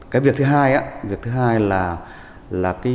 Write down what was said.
cái việc thứ hai là